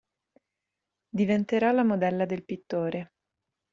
Diventerà la modella del pittore.